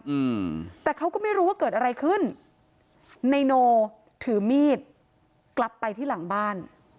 อืมแต่เขาก็ไม่รู้ว่าเกิดอะไรขึ้นในโนถือมีดกลับไปที่หลังบ้าน